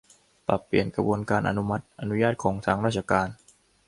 ปรับเปลี่ยนกระบวนการอนุมัติ อนุญาตของทางราชการ